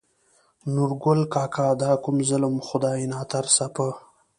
نورګل کاکا : دا کوم ظلم خداى ناترسه په